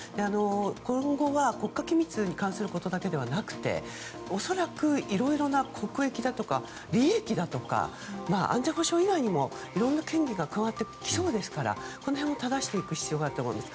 今後は国家機密に関することだけではなくて恐らく、いろいろな国益だとか利益だとか、安全保障以外にもいろんな権利が加わってきそうですからこの辺をただしていく必要があると思うんです。